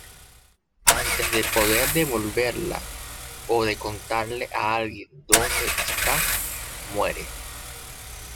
Antes de poder devolverla o de contarle a alguien dónde está, muere.